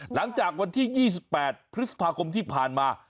หลังจากวันที่๒๘พฤษภาคมที่ผ่านมา